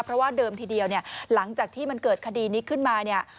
เพราะว่าเดิมทีเดียวเนี่ยหลังจากที่มันเกิดคดีนี้ขึ้นมาเนี่ย